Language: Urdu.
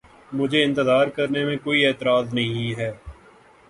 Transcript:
مجھے اِنتظار کرنے میں کوئی اعتراض نہیں ہے۔